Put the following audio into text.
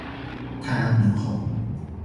太安明侯